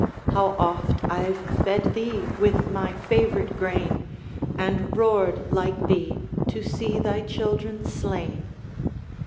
How oft I've fed thee with my favorite grain! And roared, like thee, to see thy children slain.